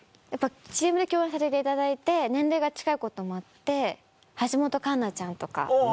ＣＭで共演させていただいて年齢が近いこともあって橋本環奈ちゃんとか。